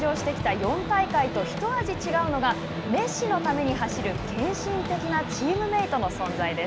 ４大会と一味違うのがメッシのために走る献身的なチームメートの存在です。